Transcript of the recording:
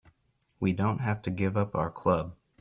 We don't have to give up our club.